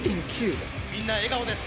みんな笑顔です。